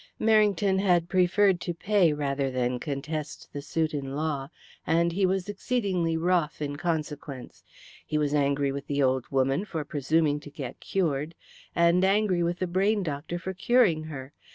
Merrington had preferred to pay rather than contest the suit in law, and he was exceedingly wroth in consequence. He was angry with the old woman for presuming to get cured, and angry with the brain doctor for curing her.